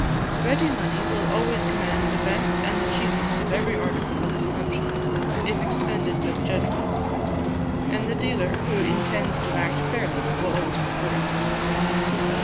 Ready money will always command the best and cheapest of every article of consumption, if expended with judgment; and the dealer, who intends to act fairly, will always prefer it.